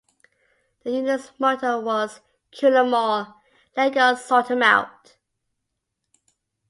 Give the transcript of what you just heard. The unit's motto was 'Kill'em all, Let God sort'em out'.